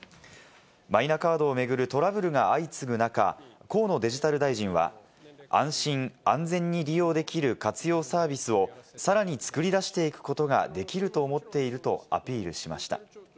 マイナカードを巡るトラブルが相次ぐ中、河野デジタル大臣は安心安全に利用できる活用サービスをさらに作り出していくことができると思っているとアピールしました。